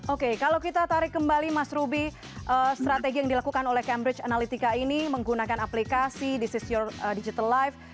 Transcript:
oke kalau kita tarik kembali mas ruby strategi yang dilakukan oleh cambridge analytica ini menggunakan aplikasi this is your digital life